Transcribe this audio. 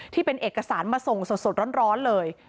ที่เป็นเอกสารมาส่งสดร้อนเลย